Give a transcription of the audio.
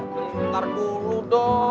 bentar dulu dong